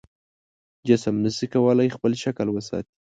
جسم نشي کولی خپل شکل وساتي.